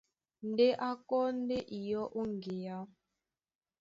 Ndé a kɔ́ ndé iyɔ́ ó ŋgeá.